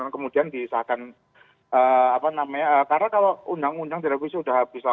kemudian bisa akan apa namanya karena kalau undang undang direvisi sudah habis lah